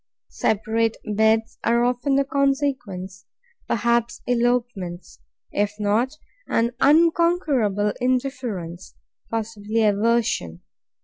Separate beds are often the consequence; perhaps elopements: if not, an unconquerable indifference, possibly aversion.